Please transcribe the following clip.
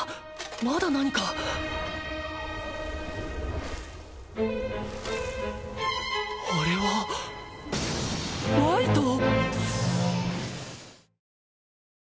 まだ何かあれはワイト！？